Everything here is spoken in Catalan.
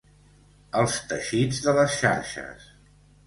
Els teixits de les xarxes.